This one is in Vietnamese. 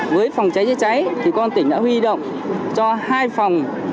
với phòng cháy cháy cháy thì con tỉnh đã huy động cho hai phòng